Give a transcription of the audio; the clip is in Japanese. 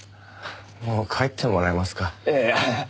もう帰ってもらえますか。